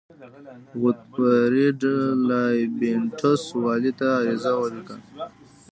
غوتفریډ لایبینټس والي ته عریضه ولیکله.